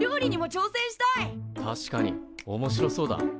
確かにおもしろそうだ。